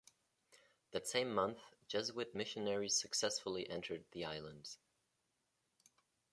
That same month, Jesuit missionaries successfully entered the Islands.